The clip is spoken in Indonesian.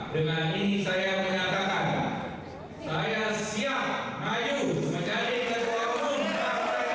dan ini saya menyatakan saya siap maju mencari sesuatu yang berhubungan dengan partai golkar